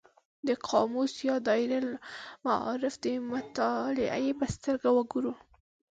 د قاموس یا دایرة المعارف د مطالعې په سترګه وګورو.